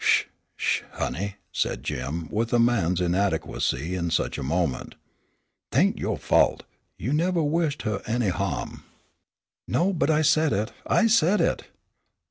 "Sh, sh, honey," said Jim, with a man's inadequacy in such a moment. "'Tain't yo' fault; you nevah wished huh any ha'm." "No; but I said it, I said it!"